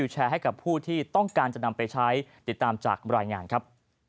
แชร์ให้กับผู้ที่ต้องการจะนำไปใช้ติดตามจากรายงานครับ